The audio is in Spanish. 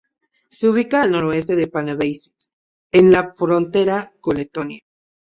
Se ubica al noreste de Panevėžys en la frontera con Letonia.